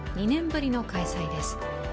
２年ぶりの開催です。